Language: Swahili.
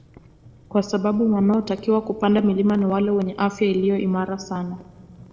Kwa sababu wanaotakiwa kupanda milima ni wale wenye afya iliyo imara sana